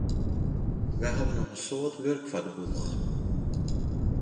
Wy hawwe noch in soad wurk foar de boech.